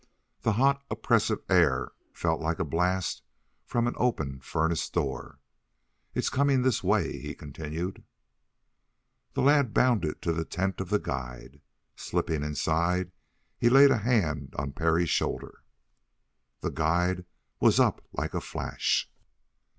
The hot, oppressive air felt like a blast from an open furnace door. "It's coming this way," he continued. The lad bounded to the tent of the guide. Slipping inside he laid a hand on Parry's shoulder. The guide was up like a flash.